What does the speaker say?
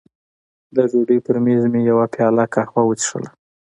د ډوډۍ پر مېز مې یوه پیاله قهوه وڅښله.